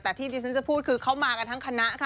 แต่ที่ที่ฉันจะพูดคือเขามากันทั้งคณะค่ะ